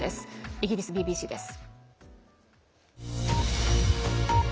イギリスＢＢＣです。